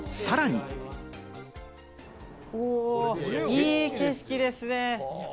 いい景色ですね！